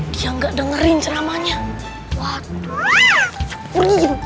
dia nggak dengerin ceramahnya waktu